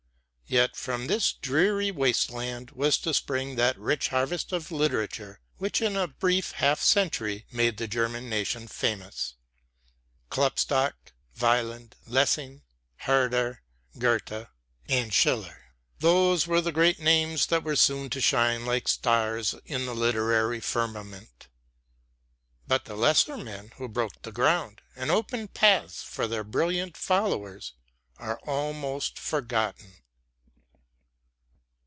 Yet from this dreary waste land was to spring that rich harvest of literature which, in a brief half century, made the German nation famous. [Illustration: Johann Jakob Bodmer] Klopstock, Wieland, Lessing, Herder, Goethe, and Schiller those were the great names that were soon to shine like stars in the literary firmament. But the lesser men who broke the ground and opened paths for their brilliant followers are almost forgotten.